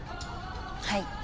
はい。